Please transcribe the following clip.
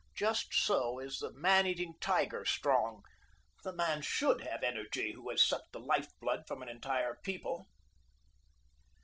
"Just so is the man eating tiger strong. The man should have energy who has sucked the life blood from an entire People."